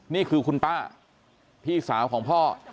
นี่คือคุณป้าพี่สาวของพ่อ